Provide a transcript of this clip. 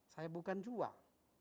saya bukan jual